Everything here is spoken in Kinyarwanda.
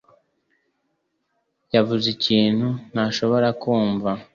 yavuze ikintu ntashobora kumva.